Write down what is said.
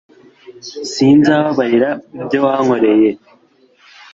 S Sinzababarira ibyo wankoreye